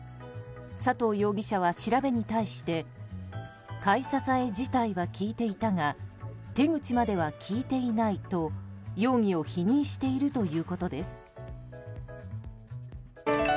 佐藤容疑者は調べに対して買い支え自体は聞いていたが手口までは聞いていないと容疑を否認しているということです。